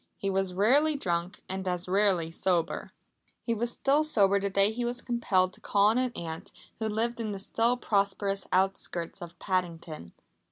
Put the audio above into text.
He was rarely drunk, and as rarely sober. He was sober the day he was compelled to call on an aunt who lived in the still prosperous outskirts of Paddington.